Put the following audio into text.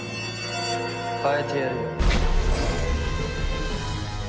変えてやるよ。